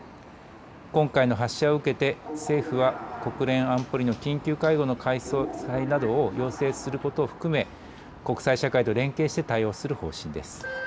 今回の発射を受けて政府は国連安保理の緊急会合の開催などを要請することを含め国際社会と連携して対応する方針です。